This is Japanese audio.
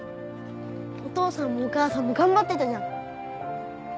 お父さんもお母さんも頑張ってたじゃん。